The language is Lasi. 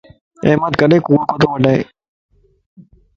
احمد ڪڏين ڪوڙ ڪوتو وڊائي